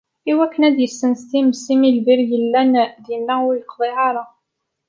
Iwakken adye ssens times imi lbir yellan dinna ur yeqḍiɛ ara.